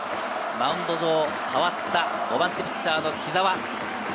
マウンド上、代わった、５番でピッチャーの木澤。